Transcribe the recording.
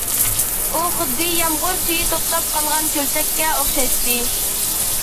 ئۇ خۇددى يامغۇر سۈيى توختاپ قالغان كۆلچەككە ئوخشايتتى.